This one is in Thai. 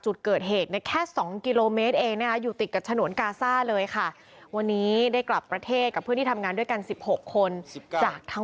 เดือนได้เท่าไรก็เอาไว้เท่านั้น